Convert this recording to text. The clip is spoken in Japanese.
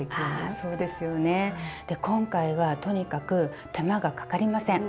あそうですよね。今回はとにかく手間がかかりません！